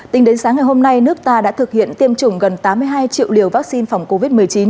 tính đến sáng ngày hôm nay nước ta đã thực hiện tiêm chủng gần tám mươi hai triệu liều vaccine phòng covid một mươi chín